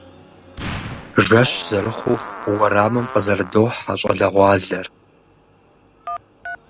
Жэщ зэрыхъуу уэрамым къызэрыдохьэ щӏалэгъуалэр.